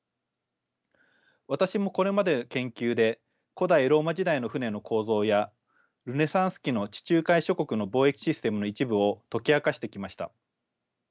私もこれまでの研究で古代ローマ時代の船の構造やルネサンス期の地中海諸国の貿易システムの一部を解き明かしてきました。